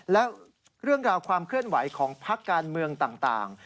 แล้วเรื่องราวความเคลื่อนไหวของพักการเมืองต่าง